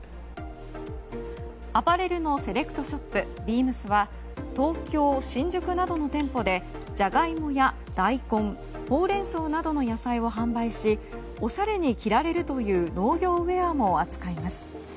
アパレルのセレクトショップ、ＢＥＡＭＳは東京・新宿などの店舗でジャガイモや大根ホウレンソウなどの野菜を販売しおしゃれに着られるという農業ウェアも扱います。